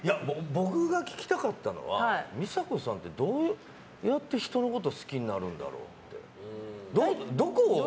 僕が聞きたかったのは美佐子さんって、どうやって人のこと好きになるんだろうって。